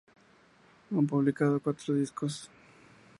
Han publicado cuatro discos.